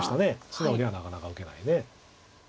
素直にはなかなか受けない。